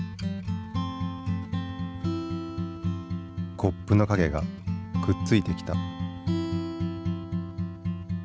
コップの影がくっついてきた。